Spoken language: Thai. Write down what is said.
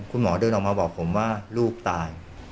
คุณหมอเดินออกมาบอกผมว่าลูกตาย